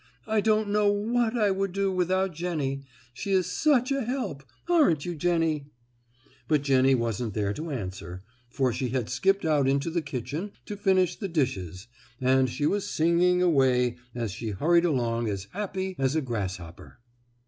"I don't know what I would do without Jennie. She is such a help; aren't you, Jennie?" But Jennie wasn't there to answer, for she had skipped out into the kitchen to finish the dishes, and she was singing away as she hurried along as happy as a grasshopper.